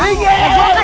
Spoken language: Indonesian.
tapi lu kalau